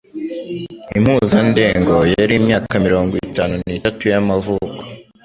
impuzandengo yari imyaka mirongo itanu n,itatu y'amavuko.